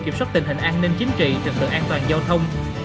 kiểm soát tình hình an ninh chính trị trực tượng an toàn giao thông